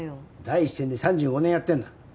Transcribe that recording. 第一線で３５年やってんだ。